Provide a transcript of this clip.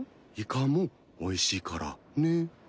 イカもおいしいからね。